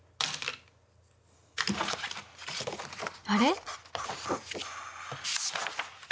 あれ？